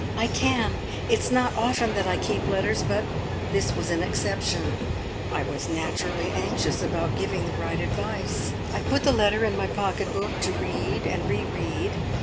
"I can. It's not often that I keep letters, but this was an exception. I was naturally anxious about giving the right advice. I put the letter in my pocket book, to read and re read.